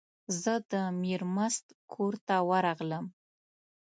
زه د میرمست کور ته ورغلم.